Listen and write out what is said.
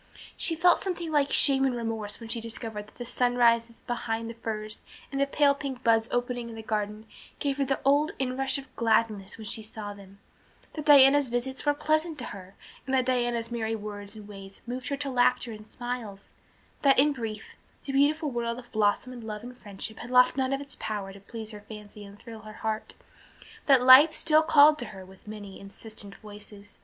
She felt something like shame and remorse when she discovered that the sunrises behind the firs and the pale pink buds opening in the garden gave her the old inrush of gladness when she saw them that Diana's visits were pleasant to her and that Diana's merry words and ways moved her to laughter and smiles that, in brief, the beautiful world of blossom and love and friendship had lost none of its power to please her fancy and thrill her heart, that life still called to her with many insistent voices.